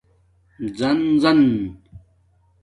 زِن زَن